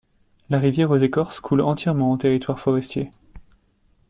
La rivière aux Écorces coule entièrement en territoire forestier.